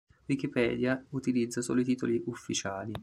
Wikipedia utilizza solo i titoli ufficiali.